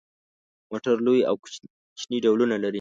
موټر لوی او کوچني ډولونه لري.